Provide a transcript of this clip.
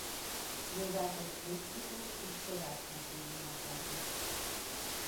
Bővelkedik misztikus és csodás motívumokban is.